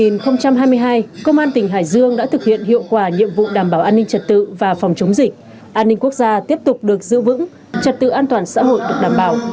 năm hai nghìn hai mươi hai công an tỉnh hải dương đã thực hiện hiệu quả nhiệm vụ đảm bảo an ninh trật tự và phòng chống dịch an ninh quốc gia tiếp tục được giữ vững trật tự an toàn xã hội được đảm bảo